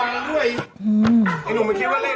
ไอ้หนุ่มมันคิดว่าเล่นด้วยเห็นไหม